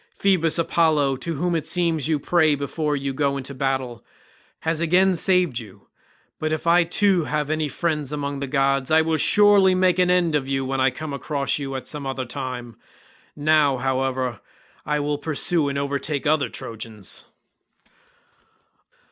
Phoebus Apollo, to whom it seems you pray before you go into battle, has again saved you; but if I too have any friend among the gods I will surely make an end of you when I come across you at some other time. Now, however, I will pursue and overtake other Trojans."